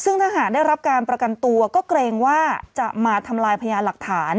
ซึ่งถ้าหากได้รับการประกันตัวก็เกรงว่าจะมาทำลายพยานหลักฐาน